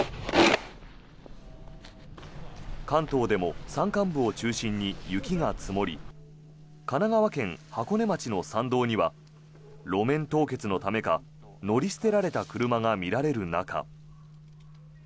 関東でも山間部を中心に雪が積もり神奈川県箱根町の山道には路面凍結のためか乗り捨てられた車が見られる中。